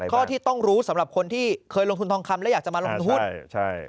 ข้อที่ต้องรู้สำหรับคนที่เคยลงทุนทองคำและอยากจะมาลงทุน